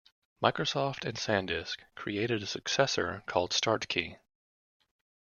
Microsoft and SanDisk created a successor called StartKey.